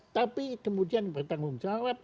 tapi kemudian bertanggung jawab